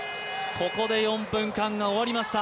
ここで４分間が終わりました。